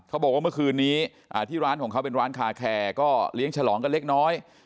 บอกว่าเมื่อคืนนี้ที่ร้านของเขาเป็นร้านคาแคร์ก็เลี้ยงฉลองกันเล็กน้อย